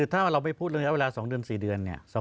ถ้าเราไม่พูดเรื่องระดับเวลา๒เดือน๔เดือน